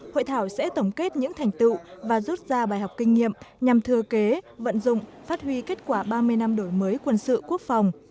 hội thảo sẽ tổng kết những thành tựu và rút ra bài học kinh nghiệm nhằm thừa kế vận dụng phát huy kết quả ba mươi năm đổi mới quân sự quốc phòng